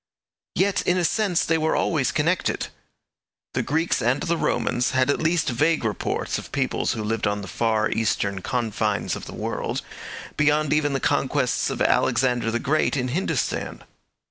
Yet in a sense they were always connected. The Greeks and the Romans had at least vague reports of peoples who lived on the far eastern confines of the world, beyond even the conquests of Alexander the Great in Hindustan.